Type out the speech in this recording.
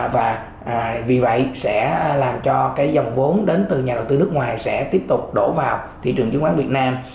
và vì vậy sẽ làm cho cái dòng vốn đến từ nhà đầu tư nước ngoài sẽ tiếp tục đổ vào thị trường chứng khoán việt nam